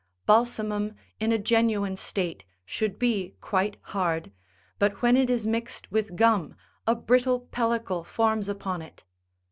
Balsamum, in a genuine state, should be quite hard, but when it is mixed with gum a brittle pellicle forms upon it.